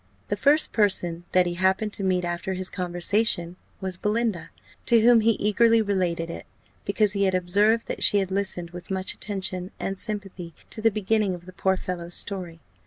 The first person that he happened to meet after his conversation was Belinda, to whom he eagerly related it, because he had observed, that she had listened with much attention and sympathy to the beginning of the poor fellow's story.